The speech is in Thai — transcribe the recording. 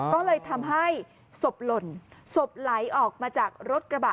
ก็เลยทำให้ศพหล่นศพไหลออกมาจากรถกระบะ